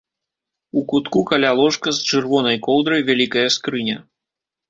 У кутку каля ложка з чырвонай коўдрай вялікая скрыня.